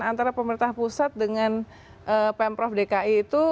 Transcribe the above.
antara pemerintah pusat dengan pemprov dki itu